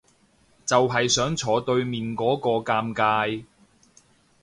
就係想坐對面嗰個尷尬